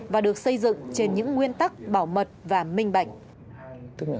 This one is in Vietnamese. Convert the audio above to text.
và được xây dựng trên những nguyên tắc bảo mật và minh bạch